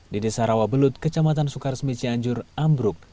di desa rawabelut kecamatan sukaresmi cianjur ambruk